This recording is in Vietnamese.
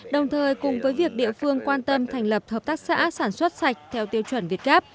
đồng thời cùng với việc địa phương quan tâm thành lập hợp tác xã sản xuất sạch theo tiêu chuẩn việt gáp